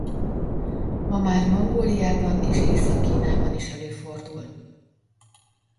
Ma már Mongóliában és Észak-Kínában is előfordul.